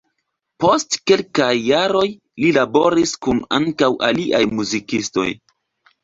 Post kelkaj jaroj li laboris kun ankaŭ aliaj muzikistoj.